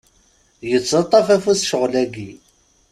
Yettaṭṭaf afus ccɣel-agi.